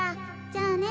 じゃあね。